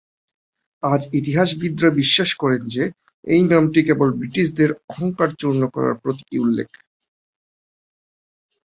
আজ ইতিহাসবিদরা বিশ্বাস করেন যে, এই নামটি কেবল ব্রিটিশদের অহংকার চূর্ণ হওয়ার প্রতীকী উল্লেখ।